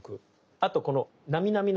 あとこのなみなみのマーク。